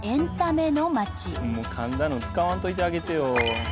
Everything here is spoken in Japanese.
かんだの使わんといてあげてよ。